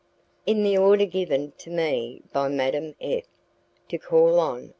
In the order given to me by Madame F to call on M.